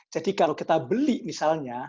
jadi kalau kita beli misalnya